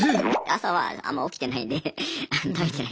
朝はあんま起きてないんで食べてないです。